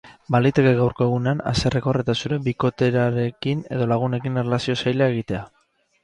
Baliteke gaurko egunean haserrekor eta zure bikoterarekin edo lagunekin erlazioa zaila egitea.